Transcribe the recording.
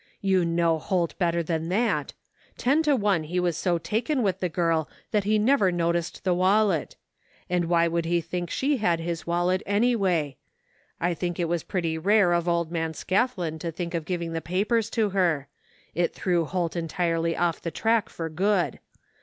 You know Holt better than that. Ten to one he was so taken with the g^rl that he never noticed the wallet; and why would he think she had his wallet, anyway? I think it was pretty rare of old man Scathlin to think of giving the papers to her. It threw Holt entirely off the track for good.